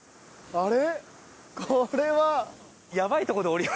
あれ。